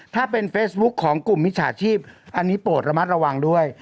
ถ้าเป็นเฟซบุ๊คของกลุ่มมิจฉาชีพอันนี้โปรดระมัดระวังด้วย